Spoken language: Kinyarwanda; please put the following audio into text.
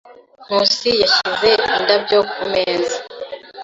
Nkusi yashyize indabyo kumeza.